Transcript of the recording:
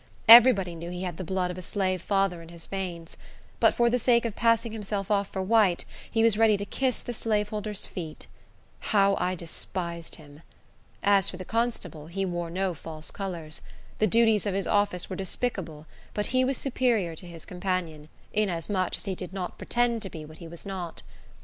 Every body knew he had the blood of a slave father in his veins; but for the sake of passing himself off for white, he was ready to kiss the slaveholders' feet. How I despised him! As for the constable, he wore no false colors. The duties of his office were despicable, but he was superior to his companion, inasmuch as he did not pretend to be what he was not.